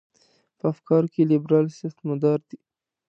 په افکارو کې لیبرال سیاستمدار دی.